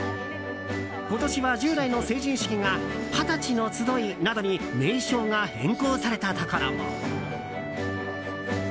今年は、従来の成人式が二十歳の集いなどに名称が変更されたところも。